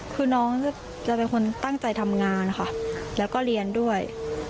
คือน้องจะเป็นคนตั้งใจทำงานค่ะแล้วก็เรียนด้วย